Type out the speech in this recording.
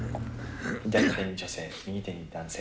左手に女性、右手に男性。